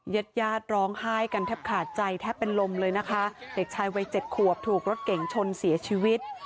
ญาติญาติร้องไห้กันแทบขาดใจแทบเป็นลมเลยนะคะเด็กชายวัยเจ็ดขวบถูกรถเก่งชนเสียชีวิต